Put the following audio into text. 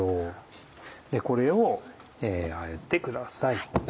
これをあえてください。